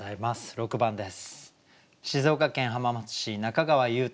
６番です。